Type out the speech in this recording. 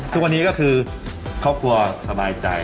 ทุกวันนี้ก็คือครอบครัวสบายใจ